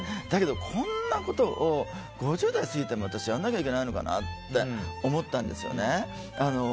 だけどこんなことを５０代過ぎても私、やんなきゃいけないのかなって思ったんですよね。